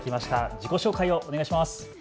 自己紹介をお願いします。